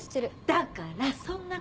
だからそんなことしたら！